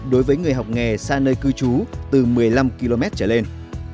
đối với người học nghề xa nơi cư trú từ một mươi năm km trở lên